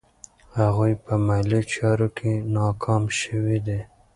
هغوی په مالي چارو کې ناکام شوي دي.